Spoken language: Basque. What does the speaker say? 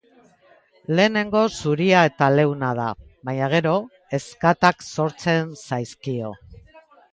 Lehenengo zuria eta leuna da, baina gero ezkatak sortzen zaizkio.